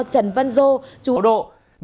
trần văn dô chú tài huyện công an tỉnh thủy thiên huế